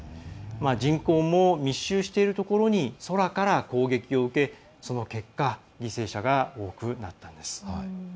人口も密集しているところに空から攻撃を受けその結果犠牲者が多くなったんです。